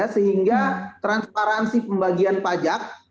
sehingga transparansi pembagian pajak